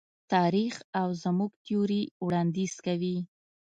تاریخ او زموږ تیوري وړاندیز کوي.